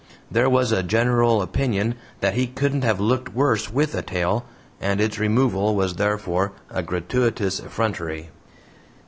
There was a general opinion that he couldn't have looked worse with a tail, and its removal was therefore a gratuitous effrontery.